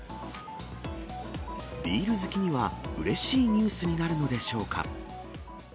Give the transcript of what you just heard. ビール好きにはうれしいニュースになるのでしょうか。